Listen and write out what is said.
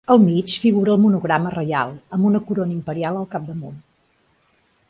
Al mig figura el monograma reial, amb una corona imperial al capdamunt.